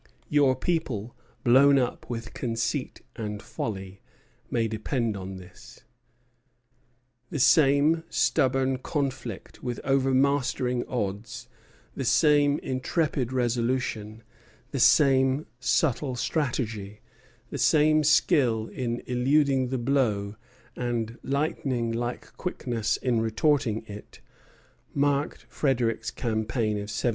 Your people, blown up with conceit and folly, may depend on this." The same stubborn conflict with overmastering odds, the same intrepid resolution, the same subtle strategy, the same skill in eluding the blow and lightning like quickness in retorting it, marked Frederic's campaign of 1760.